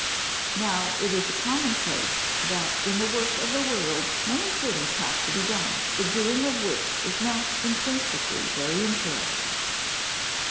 Now it is a commonplace that in the work of the world many things have to be done the doing of which is not intrinsically very interesting.